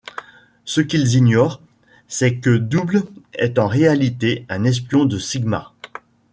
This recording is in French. Ce qu'ils ignorent, c'est que Double est en réalité un espion de Sigma.